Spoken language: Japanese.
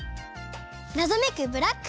なぞめくブラック